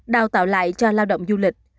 đào tạo lại cho lao động du lịch